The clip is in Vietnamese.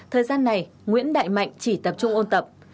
thời gian này nguyễn đại mạnh chỉ tập trung ôn tập